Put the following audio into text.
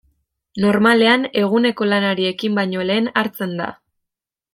Normalean eguneko lanari ekin baino lehen hartzen da.